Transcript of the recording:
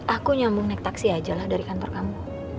aku nyambung naik taksi ajalah dari kantor kamu